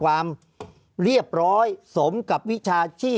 ภารกิจสรรค์ภารกิจสรรค์